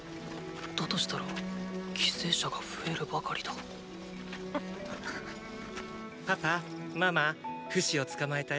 だとしたら犠牲者が増えるばかりだパパママフシを捕まえたよ！